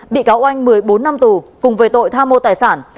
bị cáo uanh một mươi bốn năm tù cùng với tội tha mô tài sản